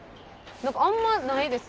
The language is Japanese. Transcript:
あんまないです。